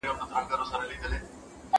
زه شګه پاک کړی دی!.